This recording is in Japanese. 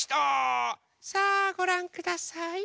さあごらんください。